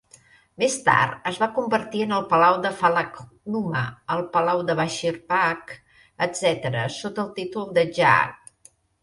Més tard es va convertir en el Palau de Falaknuma, el Palau de Bashir Bagh, etc., sota el títol de Jah.